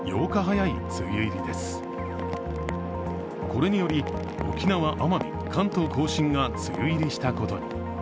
これにより、沖縄、奄美、関東甲信が梅雨入りしたことに。